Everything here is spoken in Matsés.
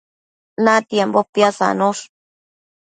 natiambo pisadosh